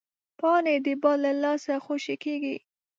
پاڼې د باد له لاسه خوشې کېږي